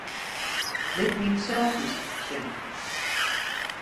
Lit myn selfies sjen.